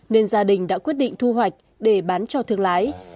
nên gia đình đã quyết định thu hoạch để bán cho thương lái